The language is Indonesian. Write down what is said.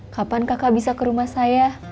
kapan kakak bisa ke rumah saya